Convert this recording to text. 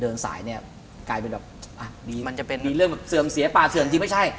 เดินสายเนี่ยกลายเป็นแบบอ่ะมีมันจะเป็นมีเรื่องแบบเสื่อมเสียป่าเสื่อมจริงไม่ใช่